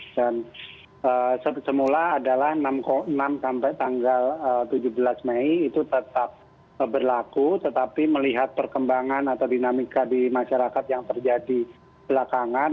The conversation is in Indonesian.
dan semula adalah enam sampai tanggal tujuh belas mei itu tetap berlaku tetapi melihat perkembangan atau dinamika di masyarakat yang terjadi belakangan